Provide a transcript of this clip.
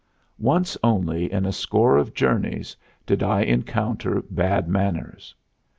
Once only in a score of journeys did I encounter bad manners.